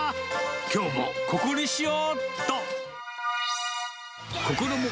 きょうもここにしようっと。